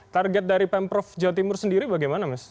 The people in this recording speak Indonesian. target dari pemprov jawa timur sendiri bagaimana mas